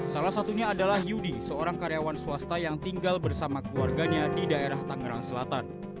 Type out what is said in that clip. salah satunya adalah yudi seorang karyawan swasta yang tinggal bersama keluarganya di daerah tangerang selatan